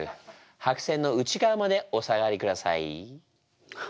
白線の内側までお下がりください。